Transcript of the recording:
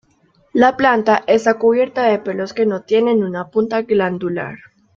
La planta está cubierta de pelos que no tienen una punta glandular.